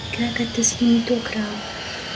کاکە تەسلیمی تۆ کراوە